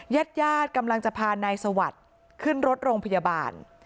ญาติญาติกำลังจะพานายสวัสดิ์ขึ้นรถโรงพยาบาล